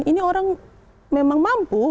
ini orang memang mampu